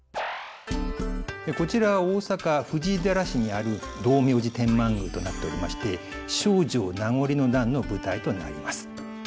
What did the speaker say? こちらは大阪・藤井寺市にある道明寺天満宮となっておりまして「丞相名残の段」の舞台となります。